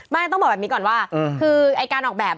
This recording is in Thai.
ต้องบอกแบบนี้ก่อนว่าคือไอ้การออกแบบ